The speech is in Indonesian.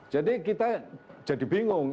jadi kita jadi bingung